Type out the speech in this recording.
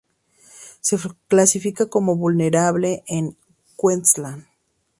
Se clasifica como vulnerable en Queensland.